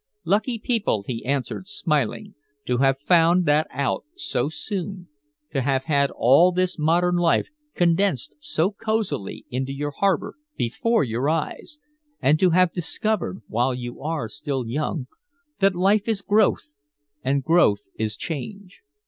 "Lucky people," he answered, smiling, "to have found that out so soon to have had all this modern life condensed so cozily into your harbor before your eyes and to have discovered, while you are still young, that life is growth and growth is change.